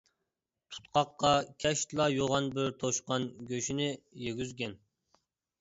تۇتقاققا كەچتىلا يوغان بىر توشقان گۆشىنى يېگۈزگەن.